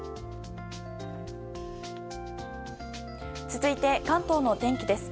続いて関東の天気です。